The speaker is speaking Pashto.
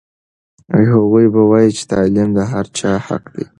هغوی وایي چې تعلیم د هر چا حق دی.